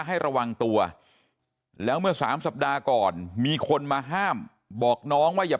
ให้ระวังตัวแล้วเมื่อสามสัปดาห์ก่อนมีคนมาห้ามบอกน้องว่าอย่า